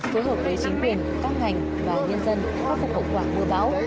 phối hợp với chính quyền các ngành và nhân dân